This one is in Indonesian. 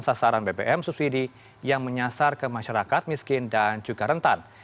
sasaran bbm subsidi yang menyasar ke masyarakat miskin dan juga rentan